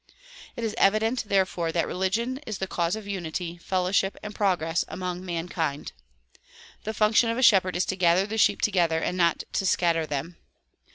It is evi dent therefore that religion is the cause of unity, fellowship and progress among mankind. The function of a shepherd is to gather the sheep together and not to scatter them.